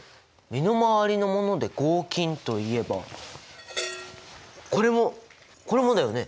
身の回りのもので合金といえばこれもこれもだよね？